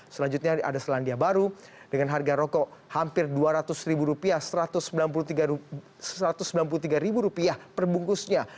selanjutnya ada selandia baru dengan harga rokok hampir rp dua ratus perbungkusnya